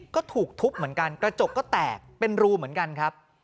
ก็ถูกทุบเหมือนกันกระจกก็แตกเป็นรูเหมือนกันครับ